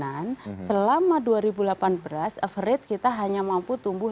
dan selama dua ribu delapan belas average kita hanya mampu tumbuh lima satu